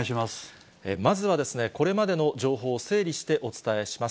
まずはこれまでの情報を整理してお伝えします。